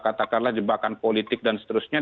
katakanlah jebakan politik dan seterusnya